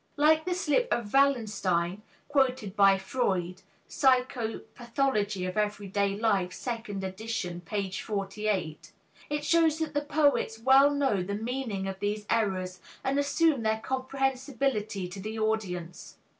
Like the slip in Wallenstein quoted by Freud (Psychopathology of Everyday Life, 2d ed., p. 48), it shows that the poets well know the meaning of these errors and assume their comprehensibility to the audience.